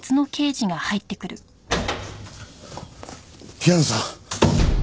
平野さん！